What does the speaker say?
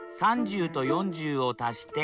３０と４０を足して７０。